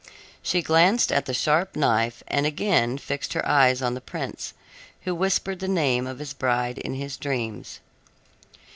She glanced at the sharp knife and again fixed her eyes on the prince, who whispered the name of his bride in his dreams.